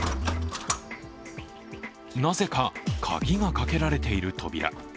なぜか、鍵がかけられている扉。